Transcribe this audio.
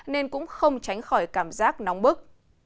nên cũng không tránh khỏi cảm giác nóng bức